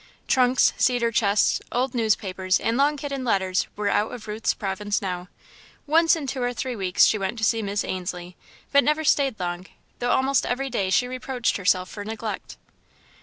Trunks, cedar chests, old newspapers, and long hidden letters were out of Ruth's province now. Once in two or three weeks, she went to see Miss Ainslie, but never stayed long, though almost every day she reproached herself for neglect.